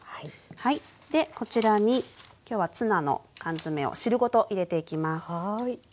でこちらに今日はツナの缶詰を汁ごと入れていきます。